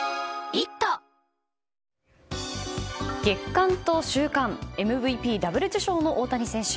月間と週間ＭＶＰダブル受賞の大谷選手。